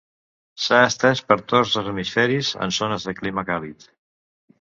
S'ha estès per tots dos hemisferis, en zones de clima càlid.